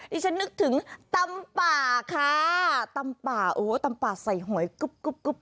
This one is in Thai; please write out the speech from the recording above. ที่ฉันนึกถึงตำป่าค่ะตำป่าโอ้ตำป่าใส่หวยกุ๊บ